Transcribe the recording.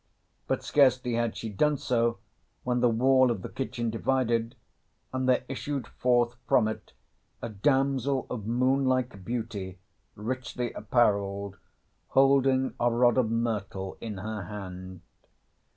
But scarcely had she done so when the wall of the kitchen divided, and there issued forth from it a damsel of moon like beauty richly apparelled, holding a rod of myrtle in her hand.